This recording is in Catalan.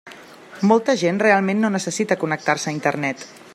Molta gent realment no necessita connectar-se a Internet.